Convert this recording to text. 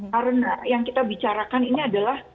karena yang kita bicarakan ini adalah